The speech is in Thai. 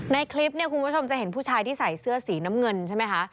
ในคลิปเนี่ยคุณผู้ชมจะเห็นผู้ชายที่ใส่เสื้อสีน้ำเงินใช่ไหมคะ